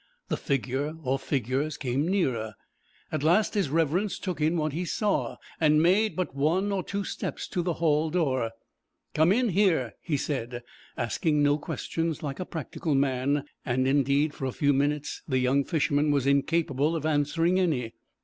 The figure or figures came nearer. At last his Reverence took in what he saw, and made but one or two steps to the hall door. 'Come in here,' he said, asking no questions, like a practical man; and indeed for a few minutes the young fisherman was incapable of answering any.